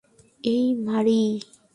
এই, মারি!